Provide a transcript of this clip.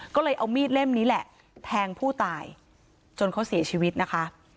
ก็เลยเอามีดเล่มนี้แหละแทงผู้ตายจนเขาเสียชีวิตนะคะ